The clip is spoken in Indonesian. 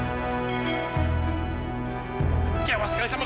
aku sangat kecewa denganmu